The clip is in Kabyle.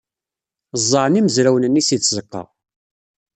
Ẓẓɛen imezrawen-nni seg tzeɣɣa.